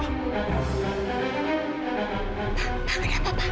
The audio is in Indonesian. pak pak kenapa pak